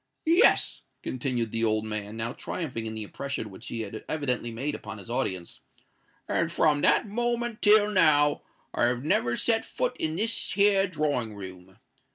"Yes," continued the old man, now triumphing in the impression which he had evidently made upon his audience; "and from that moment till now I've never set foot in this here drawing room.